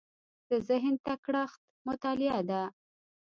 د ذهن تکړښت مطالعه ده.